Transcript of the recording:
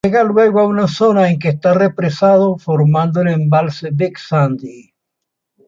Llega luego a una zona en que está represado, formando el embalse Big Sandy.